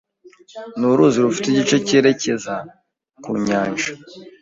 ni uruzi rufite igice cyerekeza ku Nyanja